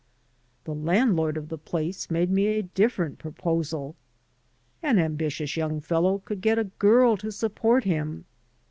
The landlord of the place made me a different proposal. An ambitious young fellow cotdd get a girl to support him.